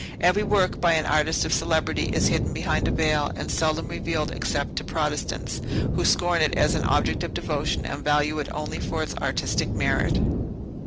Every work by an artist of celebrity is hidden behind a veil, and seldom revealed, except to Protestants, who scorn it as an object of devotion, and value it only for its artistic merit.